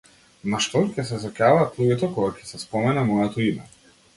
На што ли ќе се сеќаваат луѓето, кога ќе се спомене моето име?